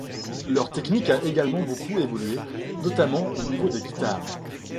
Leur technique a également beaucoup évolué, notamment au niveau des guitares.